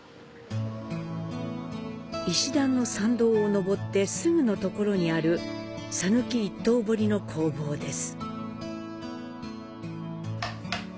石段の参道を上ってすぐのところにある讃岐一刀彫の工房です。